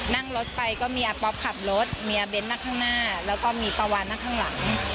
นั่งรถไปก็มีอ่ะปอบขับรถมีอ่ะเบนต์มาข้างหน้าแล้วก็มีปะวานด์ั่งข้างหลัง